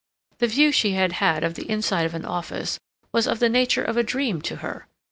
The view she had had of the inside of an office was of the nature of a dream to her.